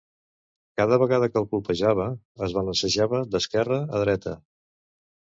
Cada vegada que el colpejava, es balancejava d'esquerra a dreta.